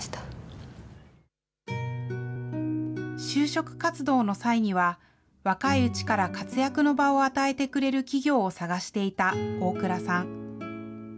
就職活動の際には、若いうちから活躍の場を与えてくれる企業を探していた大蔵さん。